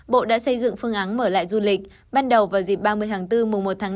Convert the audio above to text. bộ đã xây dựng phương án mở lại du lịch ban đầu vào dịp ba mươi tháng bốn mùa một tháng năm